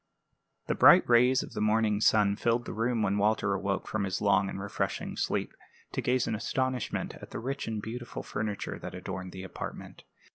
_ The bright rays of the morning sun filled the room when Walter awoke from his long and refreshing sleep, to gaze in astonishment at the rich and beautiful furniture that adorned the apartment.